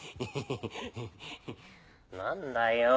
何だよー。